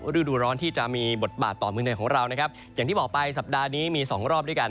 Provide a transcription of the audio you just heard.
ฤดูร้อนที่จะมีบทบาทต่อเมืองไทยของเรานะครับอย่างที่บอกไปสัปดาห์นี้มีสองรอบด้วยกัน